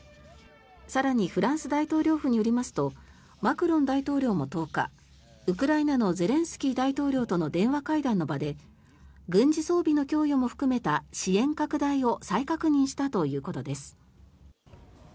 更にフランス大統領府によりますとマクロン大統領も１０日ウクライナのゼレンスキー大統領との電話会談の場で軍事装備の供与も含めた支援拡大を再確認したということです。